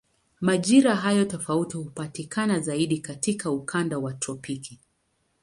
Majira hayo tofauti hupatikana zaidi katika ukanda wa tropiki.